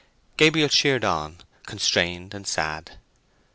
Gabriel sheared on, constrained and sad.